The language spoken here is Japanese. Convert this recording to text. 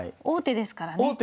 王手ですからね。